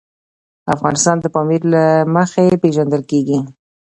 افغانستان د پامیر له مخې پېژندل کېږي.